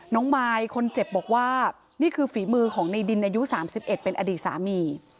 น้องมายคนเจ็บบอกว่านี่คือฝีมือของในดินอายุสามสิบเอ็ดเป็นอดีตสามี